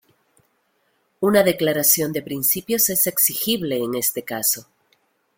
Una declaración de principios es exigible, en este caso.